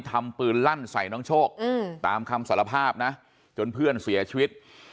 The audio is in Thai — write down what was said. ทำปืนลั่นใส่น้องโชคตามคำสารภาพนะจนเพื่อนเสียชีวิต